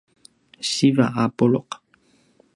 siva a pulu’